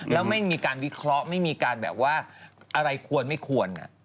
แล้วไม่มีการวิเคราะห์ไม่มีการแบบว่าอะไรควรไม่ควร